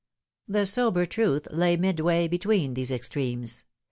The sober truth Jay midway between these extremes.